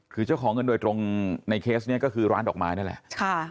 คือเจ้าของเงินโดยตรงในเคสนี้ก็คือร้านดอกไม้นั่นแหละ